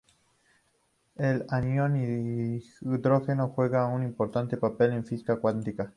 El anión hidrógeno juega un importante papel en física cuántica.